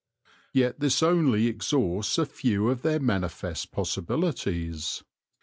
Yet this only exhausts a few of their manifest possibilities.